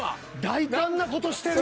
大胆な事してる。